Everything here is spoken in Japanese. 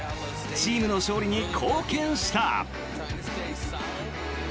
チームの勝利に貢献した。